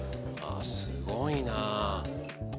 すごいなあ。